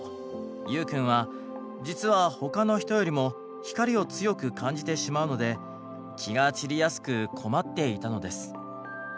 ユウくんは実は他の人よりも光を強く感じてしまうので気が散りやすく困っていたのです。